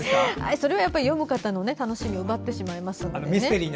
それは読む方の楽しみを奪ってしまいますから。